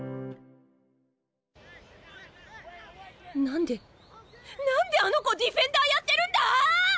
何で何であの子ディフェンダーやってるんだ！？